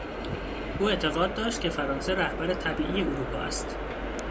او اعتقاد داشت که فرانسه رهبر طبیعی اروپا است.